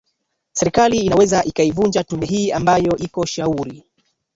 serikali inaweza ikaivunja tume hii ambayo iko shauri